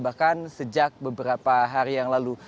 bahkan sejak beberapa hari yang lalu